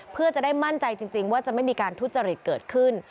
เพื่อจะได้มั่นใจจริงว่าจะไม่มีการทุจริตเกิดขึ้น